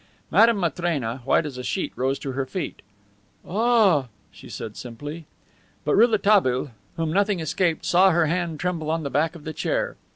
Madame Matrena, white as a sheet, rose to her feet. "Ah," she said simply. But Rouletabille, whom nothing escaped, saw her hand tremble on the back of the chair.